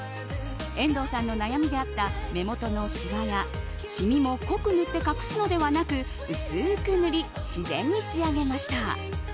遠藤さんの悩みであった目元のしわやシミも濃く塗って隠すのではなく薄く塗り自然に仕上げました。